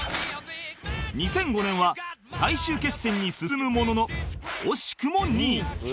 ２００５年は最終決戦に進むものの惜しくも２位